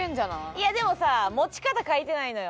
いやでもさ持ち方書いてないのよ。